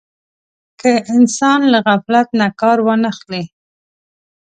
که انسان له غفلت نه کار وانه خلي.